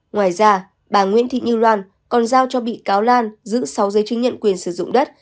ngoài ra bà nguyễn thị như loan còn giao cho bị cáo lan giữ sáu giấy chứng nhận quyền sử dụng đất